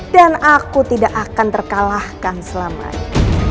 dan aku tidak akan terkalahkan selamanya